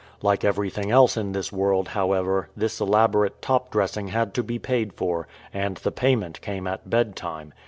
Like everything else in this world, however, this elaborate top dressing had to be paid for, and the payment came at bedtime.